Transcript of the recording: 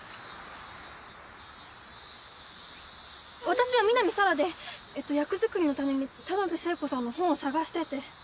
私は南沙良で役作りのために田辺聖子さんの本を探してて。